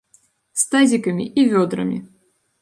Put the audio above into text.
З тазікамі і вёдрамі!